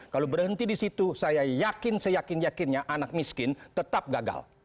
kalau berhenti di situ saya yakin seyakin yakinnya anak miskin tetap gagal